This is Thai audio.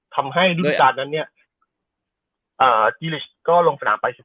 ทำให้ยุคการ์ดนั้นจีลิชก็ลงฝนามไป๑๖เกม